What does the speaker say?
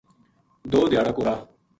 دو دھیاڑا کو راہ